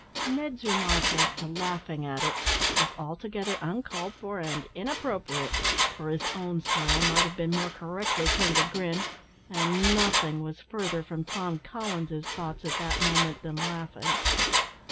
'" Ned's remark as to "laughing at it," was altogether uncalled for and inappropriate, for his own smile might have been more correctly termed a grin, and nothing was further from Tom Collins's thoughts at that moment than laughing.